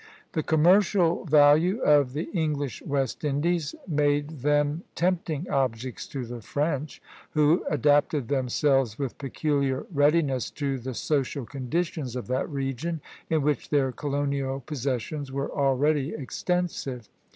The commercial value of the English West Indies made them tempting objects to the French, who adapted themselves with peculiar readiness to the social conditions of that region, in which their colonial possessions were already extensive.